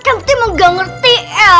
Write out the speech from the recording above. kan butut emang gak ngerti